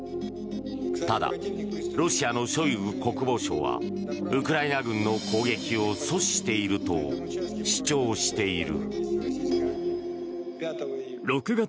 ただ、ロシアのショイグ国防相はウクライナ軍の攻撃を阻止していると主張している。